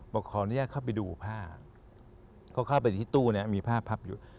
บอกขอให้ยากเข้าไปดูผ้าเขาเข้าไปที่ตู้มีผ้าพับอยู่